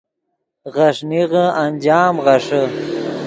غیݰ نیغے انجام غیݰے